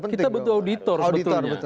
kita butuh auditor sebetulnya